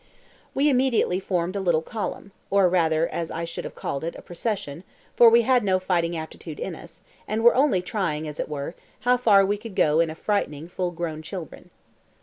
We immediately formed a little column, or rather, as I should have called it, a procession, for we had no fighting aptitude in us, and were only trying, as it were, how far we could go in frightening full grown children.